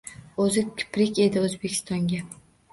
O’zi kiprik edi O’zbekistonga.